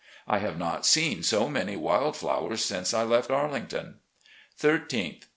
I have not seen so many wild flowers since I left Arlington. ... "Thirteenth.